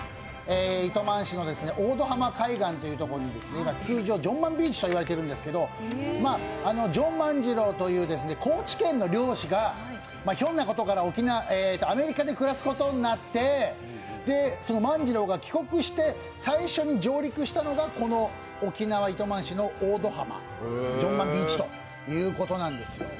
糸満市の大度浜海岸というところに、通称・ジョン万ビーチと言われているんですけど、ジョン万次郎という高知県の漁師がひょんなことからアメリカで暮らすことになって万次郎が帰国して最初に上陸したのがこの沖縄・糸満市の大度浜、ジョン万ビーチということなんですよ。